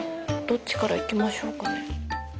どっちからいきましょうか？